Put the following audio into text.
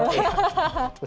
itu mas mouldie ya